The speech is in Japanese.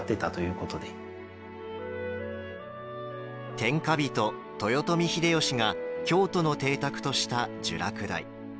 天下人、豊臣秀吉が京都の邸宅とした聚楽第。